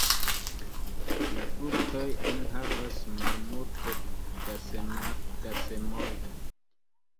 La fruktoj enhavas malmulte da semoj.